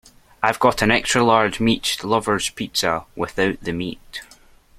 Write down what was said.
I’ve got an extra large meat lover’s pizza, without the meat?